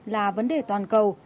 là vấn đề toàn cầu